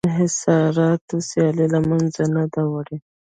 انحصاراتو سیالي له منځه نه ده وړې